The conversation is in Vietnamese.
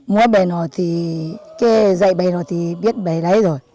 múa bài nào thì cái dạy bài nào thì biết bài đấy rồi